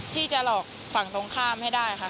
ที่จะหลอกฝั่งตรงข้ามให้ได้ค่ะ